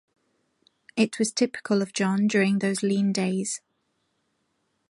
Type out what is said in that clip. It was typical of John during those lean days.